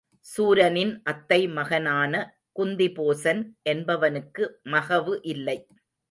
சூரனின் அத்தை மகனான குந்திபோசன் என்பவனுக்கு மகவு இல்லை.